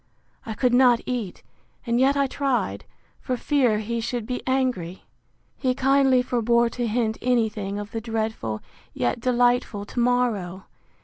I could not eat, and yet I tried, for fear he should be angry. He kindly forbore to hint any thing of the dreadful, yet delightful to morrow!